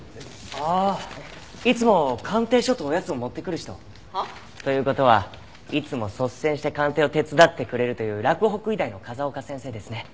あっいつも鑑定書とおやつを持ってくる人。はあ？という事はいつも率先して鑑定を手伝ってくれるという洛北医大の風丘先生ですね。